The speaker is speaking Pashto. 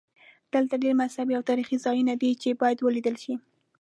دلته ډېر مذهبي او تاریخي ځایونه دي چې باید ولیدل شي.